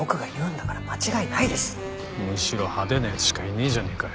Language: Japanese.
むしろ派手な奴しかいねえじゃねえかよ。